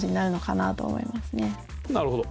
なるほど。